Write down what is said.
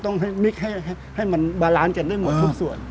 มิกให้มันบาลานซ์กันได้หมดทุกส่วน